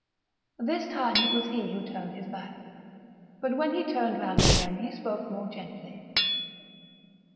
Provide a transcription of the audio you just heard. This time it was he who turned his back. But when he turned round again he spoke more gently.